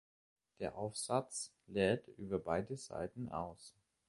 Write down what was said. Der Aufsatz lädt über beide Seiten aus.